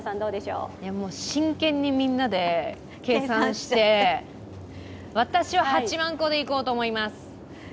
もう、真剣にみんなで計算して私は８万個でいこうと思います。